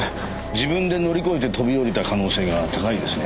自分で乗り越えて飛び下りた可能性が高いですね。